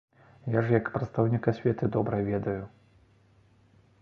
Я ж як прадстаўнік асветы добра ведаю!